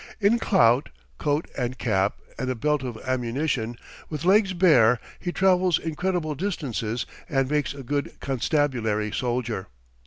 In clout, coat and cap, and a belt of ammunition, with legs bare, he travels incredible distances and makes a good constabulary soldier.